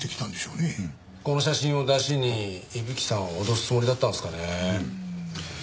この写真をダシに伊吹さんを脅すつもりだったんですかね。